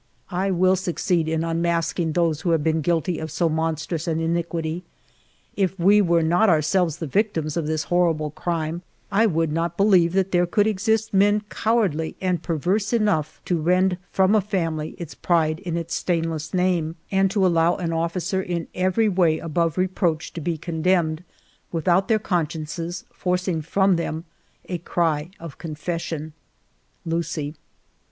I will succeed in unmasking those who have been guilty of so monstrous an iniquity. If we were not ourselves the victims of this horrible crime, I would not believe that there could exist men cowardly and perverse enough to rend from a family its pride in its i66 FIVE YEARS OF MY LIFE stainless name, and to allow an officer in every way above reproach to be condemned, without their consciences forcing from them a cry of confession. Lucie."